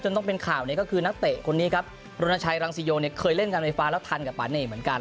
ต้องเป็นข่าวเนี่ยก็คือนักเตะคนนี้ครับรณชัยรังสิโยเนี่ยเคยเล่นการไฟฟ้าแล้วทันกับปาเน่เหมือนกัน